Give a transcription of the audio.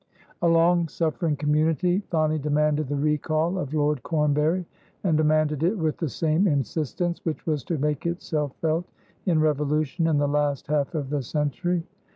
A long suffering community finally demanded the recall of Lord Cornbury and demanded it with the same insistence which was to make itself felt in revolution in the last half of the century.